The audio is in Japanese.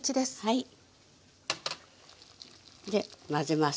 で混ぜます。